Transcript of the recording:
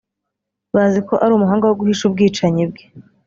Bazi ko ari umuhanga wo guhisha ubwicanyi bwe